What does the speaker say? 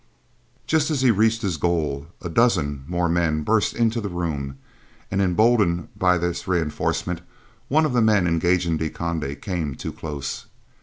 Just as he reached his goal, a dozen more men burst into the room, and emboldened by this reinforcement, one of the men engaging De Conde came too close.